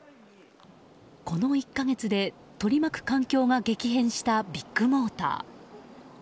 この１か月で取り巻く環境が激変したビッグモーター。